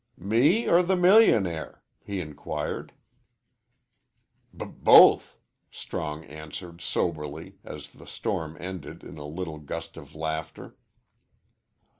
"Me or the millionaire?" he inquired. "B both," Strong answered, soberly, as the storm ended in a little gust of laughter.